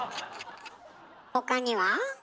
他には？